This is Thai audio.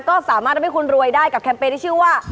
ก็สามารถทำให้คุณรวยได้กับแคมเปญที่ชื่อว่า